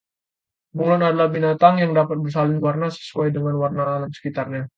bunglon adalah binatang yang dapat bersalin warna sesuai dengan warna alam sekitarnya